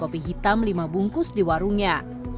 kopi hitam lima bungkus di warungnya